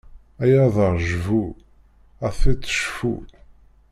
Ay aḍaṛ jbu, a tiṭ cfu!